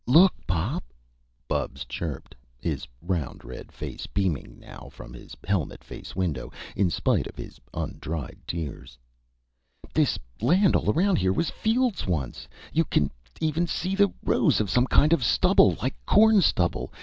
"Look, Pop," Bubs chirped, his round red face beaming now from his helmet face window, in spite of his undried tears. "This land all around here was fields once! You can even see the rows of some kind of stubble! Like corn stubble!